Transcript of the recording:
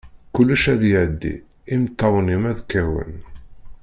Kullec ad iɛeddi, imeṭṭawen-im ad kawen.